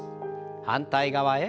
反対側へ。